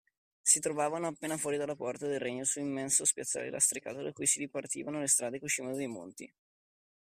Si trovavano appena fuori dalla Porta del Regno, sull’immenso spiazzale lastricato da cui si dipartivano le strade che uscivano dai Monti.